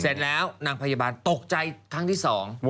เสร็จแล้วนางพยาบาลตกใจครั้งที่สอง